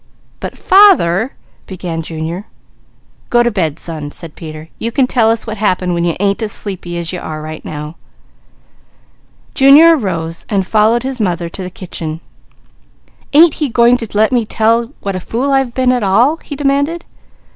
"But father " began Junior. "Go to bed son," said Peter. "You can tell us what happened when you ain't as sleepy as you are right now." Junior arose and followed his mother to the kitchen. "Ain't he going to let me tell what a fool I've been at all?" he demanded.